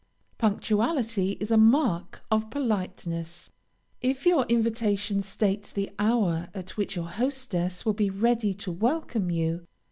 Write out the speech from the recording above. _ Punctuality is a mark of politeness, if your invitation states the hour at which your hostess will be ready to welcome you.